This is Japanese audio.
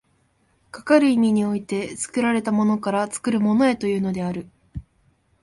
かかる意味において、作られたものから作るものへというのである。